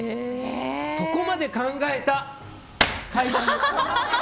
そこまで考えた階段。